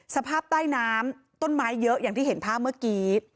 สภาพใต้น้ำต้นไม้เยอะอย่างที่เห็นภาพเมื่อกี้